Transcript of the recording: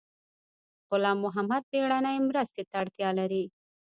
غلام محد بیړنۍ مرستې ته اړتیا لري